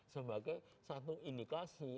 sebagai satu indikasi